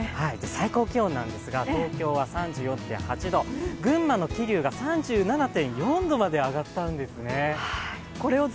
最高気温なんですが、東京は３４．８度、群馬の桐生が３７．４度まで上がったんですね。